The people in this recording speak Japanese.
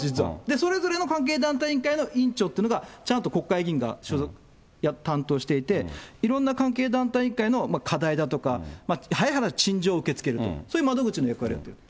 それぞれの関係団体委員会の委員長っていうのが、ちゃんと国会議員が担当していて、いろんな関係団体委員会の課題だとか、早い話陳情を受け付けるという窓口。